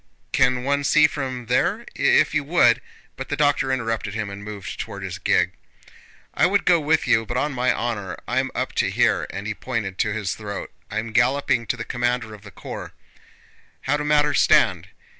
"Can one see from there?... If you would..." But the doctor interrupted him and moved toward his gig. "I would go with you but on my honor I'm up to here"—and he pointed to his throat. "I'm galloping to the commander of the corps. How do matters stand?...